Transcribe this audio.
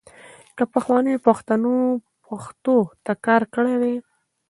که پخوانیو پښتنو پښتو ته کار کړی وای .